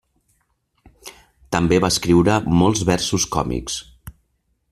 També va escriure molts versos còmics.